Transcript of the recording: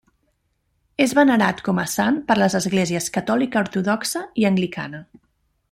És venerat com a sant per les esglésies catòlica ortodoxa i anglicana.